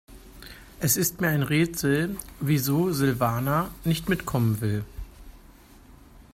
Es ist mir ein Rätsel, wieso Silvana nicht mitkommen will.